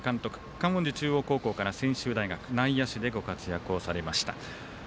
観音寺中央高校から専修大学内野手でご活躍されました。